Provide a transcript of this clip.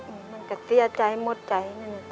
มันก็เสียใจหมดใจ